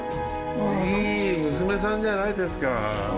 いい娘さんじゃないですか。